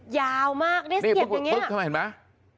ยาวมากได้เสียบอย่างเนี้ย